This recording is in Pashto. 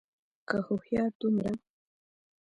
که هوښيار دومره